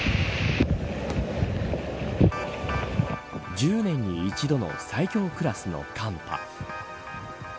１０年に一度の最強クラスの寒波。